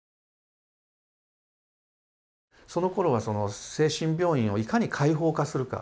そのころは精神病院をいかに開放化するか。